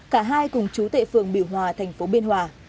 cả hai cùng chú tệ phường biểu hòa tp biên hòa